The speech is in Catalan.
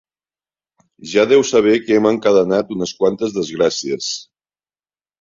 Ja deu saber que hem encadenat unes quantes desgràcies.